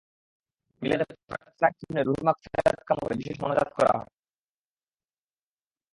মিলাদে প্রয়াত সায়রা খাতুনের রুহের মাগফিরাত কামনা করে বিশেষ মোনাজাত করা হয়।